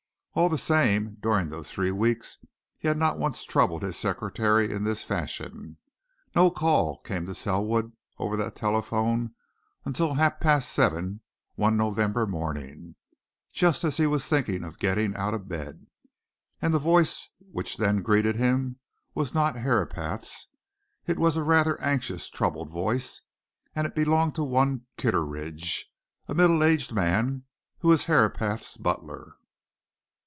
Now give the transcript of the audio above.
All the same, during those three weeks he had not once troubled his secretary in this fashion. No call came to Selwood over that telephone until half past seven one November morning, just as he was thinking of getting out of bed. And the voice which then greeted him was not Herapath's. It was a rather anxious, troubled voice, and it belonged to one Kitteridge, a middle aged man, who was Herapath's butler.